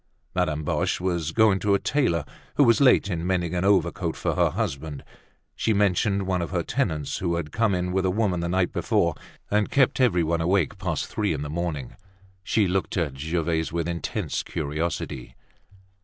Madame Boche was going to a tailor who was late in mending an overcoat for her husband. She mentioned one of her tenants who had come in with a woman the night before and kept everybody awake past three in the morning. She looked at Gervaise with intense curiosity.